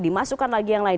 dimasukkan lagi yang lain